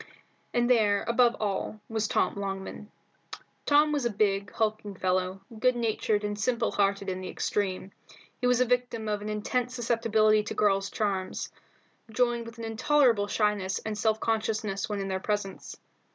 And there, above all, was Tom Longman. Tom was a big, hulking fellow, good natured and simple hearted in the extreme. He was the victim of an intense susceptibility to the girls' charms, joined with an intolerable shyness and self consciousness when in their presence.